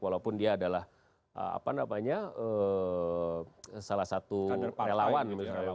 walaupun dia adalah salah satu relawan